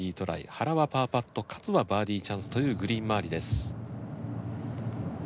原はパーパット勝はバーディーチャンスというグリーン周りです。